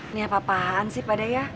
ini apa apaan sih pada ya